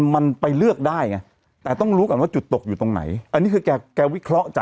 มันก็ต้องถอดอยู่แล้วแม่ใครจะ